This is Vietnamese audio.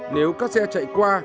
nếu các xe chạy qua